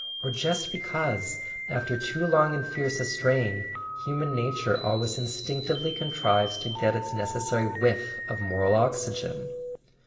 or just be¬ cause, after too long and fierce a strain, human nature always instinctively contrives to get its necessary whiff of moral oxygen